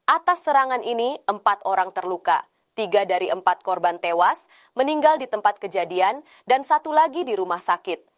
atas serangan ini empat orang terluka tiga dari empat korban tewas meninggal di tempat kejadian dan satu lagi di rumah sakit